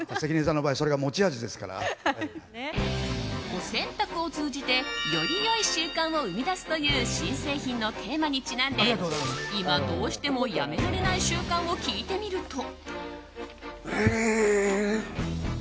お洗濯を通じてより良い習慣を生み出すという新製品のテーマにちなんで今どうしてもやめられない習慣を聞いてみると。